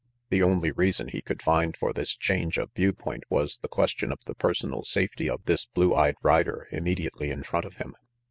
The only reason he could find for this change of viewpoint was the question of the personal safety of this blue eyed rider immediately in front of him.